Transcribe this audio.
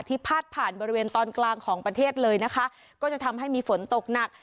พาดผ่านบริเวณตอนกลางของประเทศเลยนะคะก็จะทำให้มีฝนตกหนัก